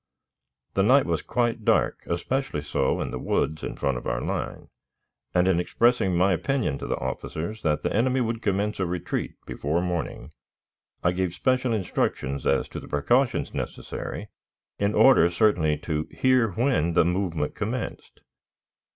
The night was quite dark, especially so in the woods in front of our line, and, in expressing my opinion to the officers that the enemy would commence a retreat before morning, I gave special instructions as to the precautions necessary in order certainly to hear when the movement commenced.